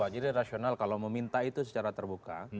jadi rasional kalau meminta itu secara terbuka